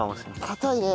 かたいね。